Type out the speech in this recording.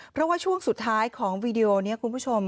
เพราะว่าช่วงสุดท้ายของวีดีโอนี้คุณผู้ชม